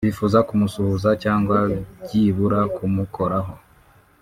bifuza kumusuhuza cyangwa byibura kumukoraho